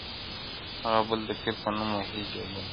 • هغه بل د پیر په نوم وهي جېبونه -